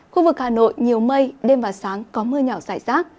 khu vực hà nội nhiều mây đêm và sáng có mưa nhỏ rải rác